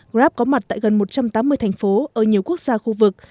grab có mặt tại gần một trăm tám mươi thành phố ở nhiều quốc gia khu vực